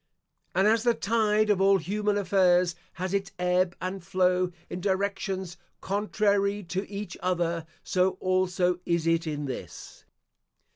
And as the tide of all human affairs has its ebb and flow in directions contrary to each other, so also is it in this.